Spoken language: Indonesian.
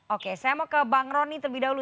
oke saya mau ke bang rony terlebih dahulu